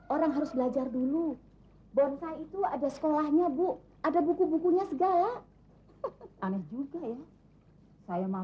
orang harus belajar dulu bonsai itu ada sekolahnya bu ada buku bukunya segala aneh juga ya